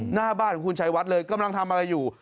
หน้าบ้านของคุณชัยวัดเลยกำลังทำอะไรอยู่